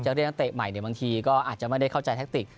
เจ้าเรียนนักเตะใหม่เนี่ยบางทีก็อาจจะไม่ได้เข้าใจแท็กติก